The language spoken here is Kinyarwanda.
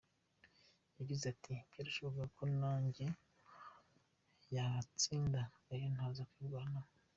Yagize ati, "byarashobokaga ko nanjye yahantsinda iyo ntaza kwirwanaho.